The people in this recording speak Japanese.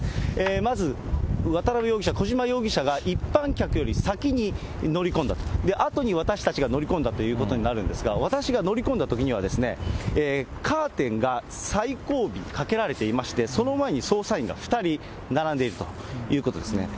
まず、渡辺容疑者、小島容疑者が一般客より先に乗り込んだと、あとに私たちが乗り込んだということになるんですが、私が乗り込んだときには、カーテンが最後尾にかけられていまして、その前に捜査員が２人並んでいるということですね。